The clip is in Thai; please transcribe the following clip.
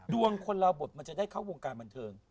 คนเราบทมันจะได้เข้าวงการบันเทิง